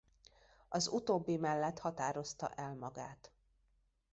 Az utóbbi mellett határozta el magát.